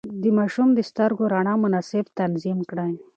د ماشوم د سترګو رڼا مناسب تنظيم کړئ.